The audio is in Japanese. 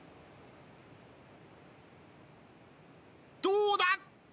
どうだ！？